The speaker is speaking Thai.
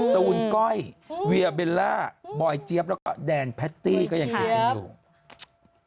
ตูนก้อยเวียเบลล่าบอยเจี๊ยบแล้วก็แดนแพตตี้ก็ยังคุยกันอยู่